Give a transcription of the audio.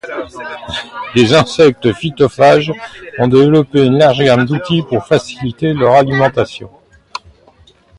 Les insectes phytophages ont développé une large gamme d'outils pour faciliter leur alimentation.